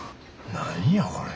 何やこれ。